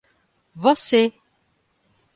Você